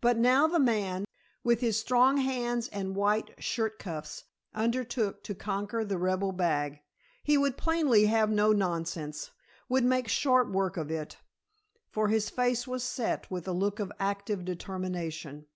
But now the man, with his strong hands and white shirt cuffs, undertook to conquer the rebel bag. He would plainly have no nonsense, would make short work of it, for his face was set with a look of active determination.